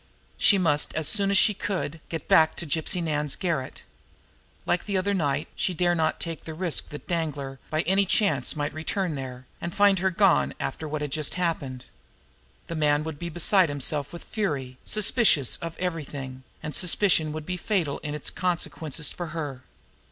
She must, as soon as she could, get back to Gypsy Nan's garret. Like that other night, she dared not take the risk that Danglar, by any chance, might return there and find her gone after what had just happened. The man would be beside himself with fury, suspicious of everything and suspicion would be fatal in its consequences for her.